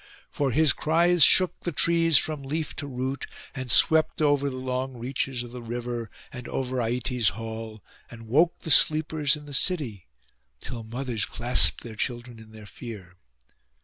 For his cries shook the trees from leaf to root, and swept over the long reaches of the river, and over Aietes' hall, and woke the sleepers in the city, till mothers clasped their children in their fear.